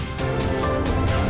bersama kami adalah pak kusmedi